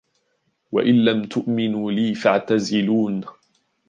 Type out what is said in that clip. وَإِنْ لَمْ تُؤْمِنُوا لِي فَاعْتَزِلُونِ